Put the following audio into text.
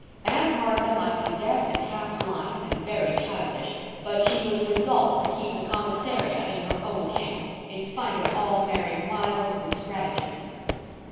Aunt Martha might be deaf and half blind and very childish, but she was resolved to keep the commissariat in her own hands, in spite of all Mary's wiles and stratagems.